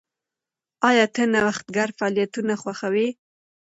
ایا ته نوښتګر فعالیتونه خوښوې؟